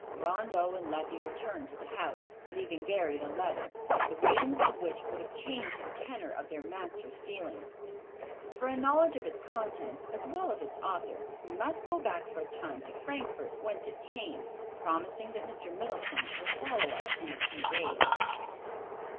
Rondeau and Leffie returned to the house, leaving buried a letter, the reading of which would have changed the tenor of their master's feelings. For a knowledge of its contents as well of its author, we must go back for a time to Frankfort whence it came, promising that Mr. Middleton will follow us in a few days.